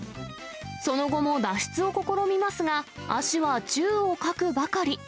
その後も脱出を試みますが、足は宙をかくばかり。